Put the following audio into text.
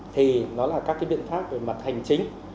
thì nó là các cái biện pháp về mặt hành chính